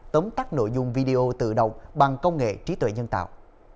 tống tắt nội dung video tự động bằng công nghệ trí tuệ nhân tạo